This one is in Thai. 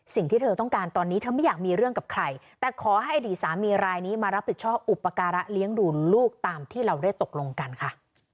สิ่งที่เธอต้องการตอนนี้เธอไม่อยากมีเรื่องกับใครแต่ขอให้อดีตสามีรายนี้มารับผิดชอบอุปการะเลี้ยงดูลูกตามที่เราได้ตกลงกันค่ะ